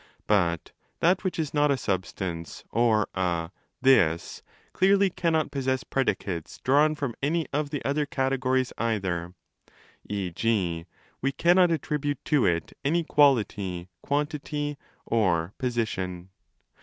But that which is not a substance or a 'this' clearly cannot possess predicates drawn from any το of the other Categories either—e.g. we cannot attribute to it any quality, quantity, or position.